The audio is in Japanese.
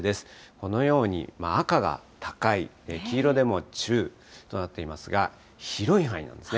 このように赤が高い、黄色でも中となっていますが、広い範囲なんですね。